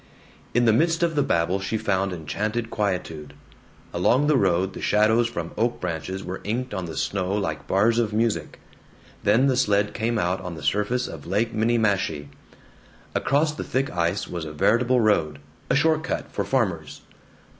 In the midst of the babel she found enchanted quietude. Along the road the shadows from oak branches were inked on the snow like bars of music. Then the sled came out on the surface of Lake Minniemashie. Across the thick ice was a veritable road, a short cut for farmers.